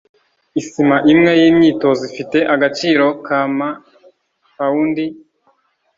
isima imwe yimyitozo ifite agaciro kama pawundi